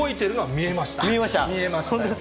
見えました？